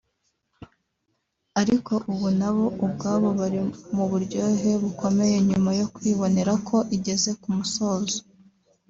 ariko ubu na bo ubwabo bari mu buryohe bukomeye nyuma yo kwibonera ko igeze ku musozo